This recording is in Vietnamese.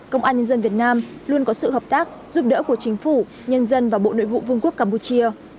công an nhân dân việt nam luôn có sự hợp tác giúp đỡ của chính phủ nhân dân và bộ nội vụ vương quốc campuchia